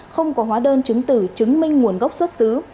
không có hóa đơn chứng tử chứng minh nguồn gốc xuất xứ